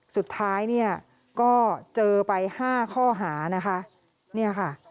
สุดท้ายก็เจอไปห้าข้อหานี่ค่ะ